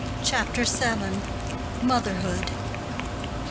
CHAPTER VII. MOTHERHOOD.